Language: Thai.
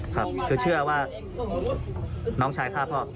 ครับคือเชื่อว่าน้องชายฆ่าพ่อ